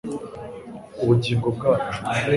ubugingo bwacu